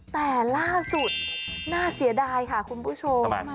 แต่ล่าสุดน่าเสียดายค่ะคุณผู้ชม